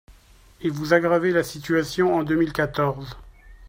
Et vous aggravez la situation en deux mille quatorze